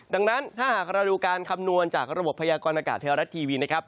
ดังนั้นถ้าหากเราดูการคำนวณจากระบบพยากรณากาศไทยรัฐทีวีนะครับ